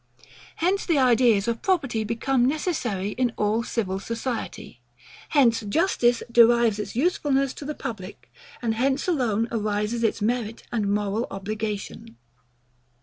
Hence the ideas of property become necessary in all civil society: Hence justice derives its usefulness to the public: And hence alone arises its merit and moral obligation.